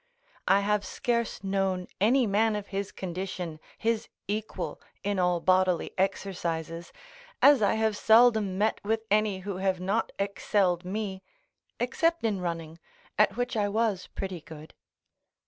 I have scarce known any man of his condition, his equal in all bodily exercises, as I have seldom met with any who have not excelled me, except in running, at which I was pretty good.